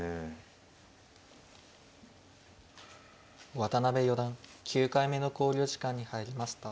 渡辺四段９回目の考慮時間に入りました。